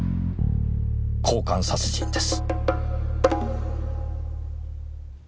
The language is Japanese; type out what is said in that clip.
交換殺人です。